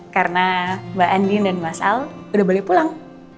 karena mbak andien dan mas al udah balik pulang